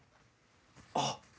あっ。